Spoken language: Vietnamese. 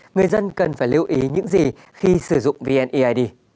người dân cần phải lưu ý những gì khi sử dụng vneid